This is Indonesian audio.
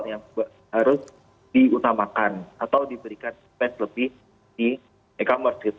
yang harus diutamakan atau diberikan bed lebih di e commerce gitu